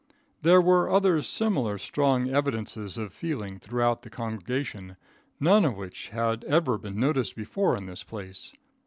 There were other similar strong evidences of feeling throughout the congregation, none of which had ever been noticed before in this place.